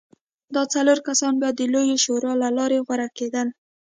دا څلور کسان بیا د لویې شورا له لارې غوره کېدل.